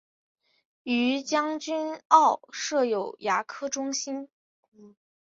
于将军澳设有牙科中心。